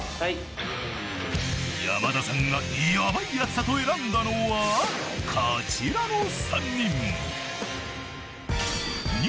［山田さんがヤバいやつだと選んだのはこちらの３人］